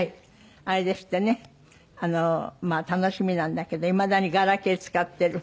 あれですってねまあ楽しみなんだけどいまだにガラケー使ってる？